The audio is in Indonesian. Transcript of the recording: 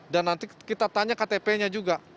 dan nanti kita tanya ktp nya juga